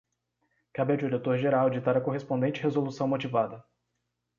Cabe ao diretor geral ditar a correspondente resolução motivada.